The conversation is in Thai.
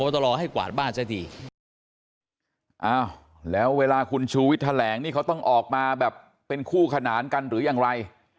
แถลงนี่เขาต้องออกมาแบบเป็นคู่ขนานกันหรือยังไร